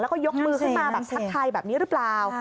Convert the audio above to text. แล้วก็ยกมือขึ้นมาแบบทักทายแบบนี้หรือเปล่า